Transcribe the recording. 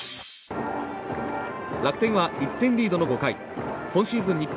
楽天は１点リードの５回今シーズン